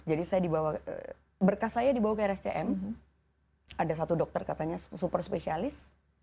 jadi saya dibawa berkas saya dibawa ke rsjm ada satu dokter katanya super spesialis